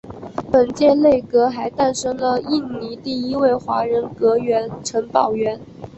本届内阁还诞生了印尼第一位华人阁员陈宝源。